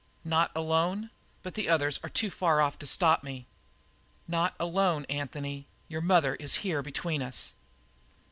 "Not alone, but the others are too far off to stop me." "Not alone, Anthony, for your mother is here between us."